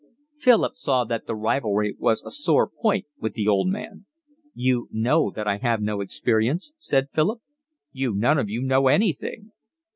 Philip saw that the rivalry was a sore point with the old man. "You know that I have no experience," said Philip. "You none of you know anything."